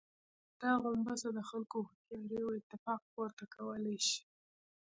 دا غومبسه د خلکو هوښياري او اتفاق، پورته کولای شي.